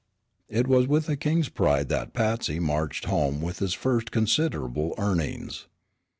It was with a king's pride that Patsy marched home with his first considerable earnings.